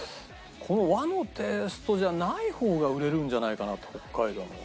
この和のテイストじゃない方が売れるんじゃないかなと北海道。